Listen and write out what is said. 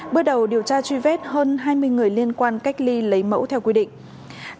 bước đầu điều tra truy vết hơn hai mươi người liên quan cách ly lấy mẫu theo quy định